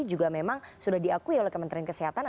juga memang sudah diakui oleh kementerian kesehatan